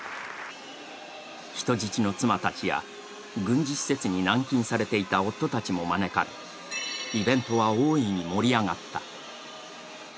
人質の妻たちや軍事施設に軟禁されていた夫たちも招かれイベントは大いに盛り上がった。